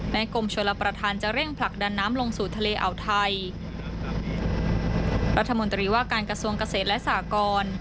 กรมชลประธานจะเร่งผลักดันน้ำลงสู่ทะเลอ่าวไทยรัฐมนตรีว่าการกระทรวงเกษตรและสากร